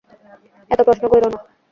এত প্রশ্ন কইরো না।